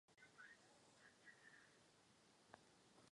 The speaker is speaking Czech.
Její dosavadní malířské dílo lze rozdělit do dvou skupin.